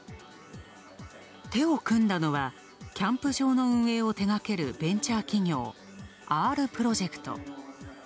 手を組んだのは、キャンプ場の運営を手がけるベンチャー企業、アールプロジェクト。